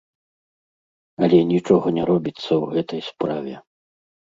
Але нічога не робіцца ў гэтай справе.